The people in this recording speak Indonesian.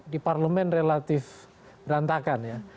di parlemen relatif berantakan ya